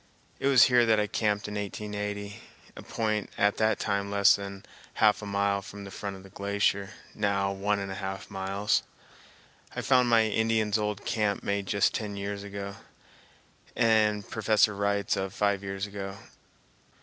It was here that I camped in 1880, a point at that time less than half a mile from the front of the glacier, now one and a half miles. I found my Indian's old camp made just ten years ago, and Professor Wright's of five years ago.